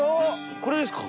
これですか？